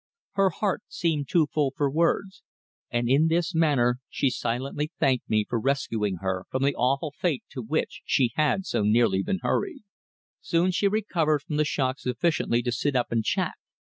Her heart seemed too full for words, and in this manner she silently thanked me for rescuing her from the awful fate to which she had so nearly been hurried. Soon she recovered from the shock sufficiently to sit up and chat.